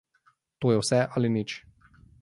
To je vse ali nič.